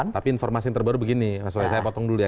tapi informasi yang terbaru begini mas roy saya potong dulu ya